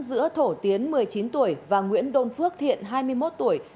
giữa thổ tiến một mươi chín tuổi và nguyễn đôn phước thiện hai mươi một tuổi